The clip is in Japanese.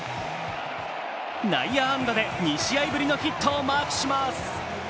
内野安打で２試合ぶりのヒットをマークします。